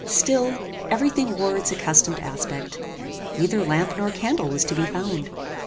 Still every thing wore its accustomed aspect. Neither lamp nor candle was to be found.